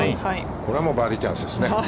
これはバーディーチャンスですね。